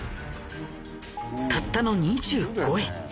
たったの２５円。